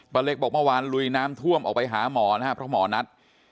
ปะเล็กบอกเมื่อวานลุยน้ำท่วมออกไปหาหมอนัด